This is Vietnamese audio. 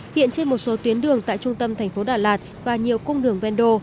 hiện trên một số tuyến đường tại trung tâm thành phố đà lạt và nhiều cung đường ven đô